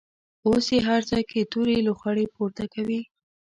اوس یې هر ځای کې تورې لوخړې پورته کوي.